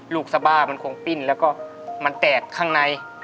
สบ้ามันคงปิ้นแล้วก็มันแตกข้างใน